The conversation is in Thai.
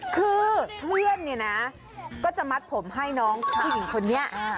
คือเพื่อนเนี่ยนะก็จะมัดผมให้น้องผู้หญิงคนนี้